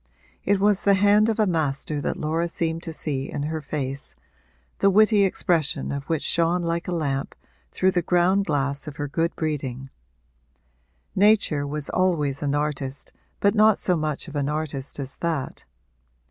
It was the hand of a master that Laura seemed to see in her face, the witty expression of which shone like a lamp through the ground glass of her good breeding; nature was always an artist, but not so much of an artist as that.